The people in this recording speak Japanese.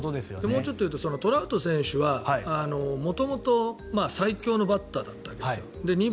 もうちょっというとトラウト選手は元々、最強のバッターだったんです。